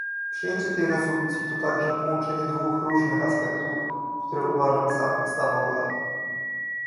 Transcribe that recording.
Przyjęcie tej rezolucji to także połączenie dwóch różnych aspektów, które uważam za podstawowe